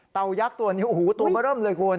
เต่ายักษ์ตัวนี้โอ้โฮตัวมาเริ่มเลยคุณ